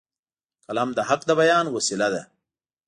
قلم د حق د بیان وسیله ده